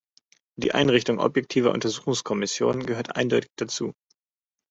Die Einrichtung objektiver Untersuchungskommissionen gehört eindeutig dazu.